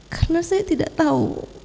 karena saya tidak tahu